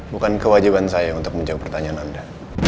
bukan kewajiban saya untuk menjawab pertanyaan anda